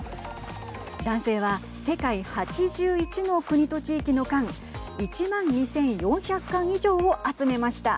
男性は、世界８１の国と地域の缶１万２４００缶以上を集めました。